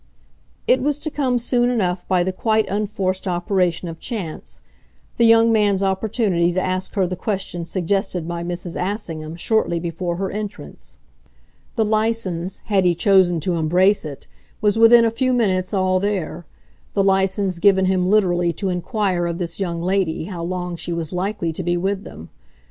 It was to come soon enough by the quite unforced operation of chance, the young man's opportunity to ask her the question suggested by Mrs. Assingham shortly before her entrance. The license, had he chosen to embrace it, was within a few minutes all there the license given him literally to inquire of this young lady how long she was likely to be with them.